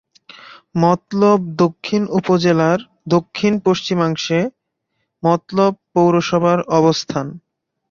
মতলব দক্ষিণ উপজেলার দক্ষিণ-পশ্চিমাংশে মতলব পৌরসভার অবস্থান।